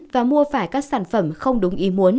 và mua phải các sản phẩm không đúng ý muốn